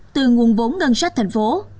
từ nguồn vốn ngân sách thành phố